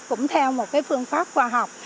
cũng theo một phương pháp khoa học